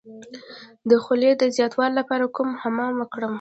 د خولې د زیاتوالي لپاره کوم حمام وکړم؟